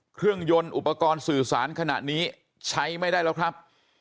เครื่องยนต์อุปกรณ์สื่อสารขณะนี้ใช้ไม่ได้แล้วครับ